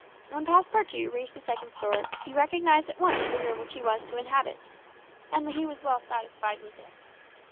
When Passepartout reached the second story he recognised at once the room which he was to inhabit, and he was well satisfied with it.